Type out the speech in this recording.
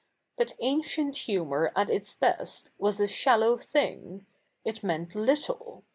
But ancient hu7)iour at its best was a shallow thing. It meant little.